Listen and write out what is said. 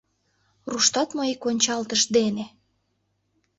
Руштат мо ик ончалтыш дене?